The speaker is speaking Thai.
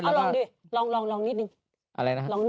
ลองรองลองนิดนึง